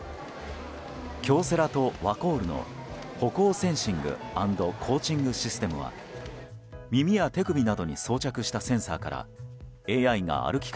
京セラとワコールの歩行センシング＆コーチングシステムは耳や手首などに装着したセンサーからＡＩが歩き